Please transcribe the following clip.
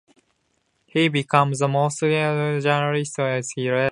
He became "the most feared journalist" of his era.